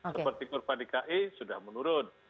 seperti kurva di ki sudah menurun